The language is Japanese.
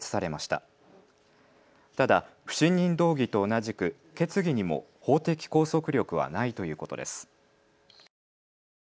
ただ、不信任動議と同じく決議にも法的拘束力はないということです。